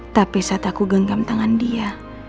tapi saat aku genggam tangan dia